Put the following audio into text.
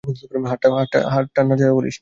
হাতটা নাড়াচাড়া করিস না।